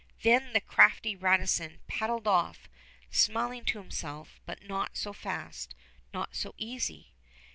Then the crafty Radisson paddled off, smiling to himself; but not so fast, not so easy!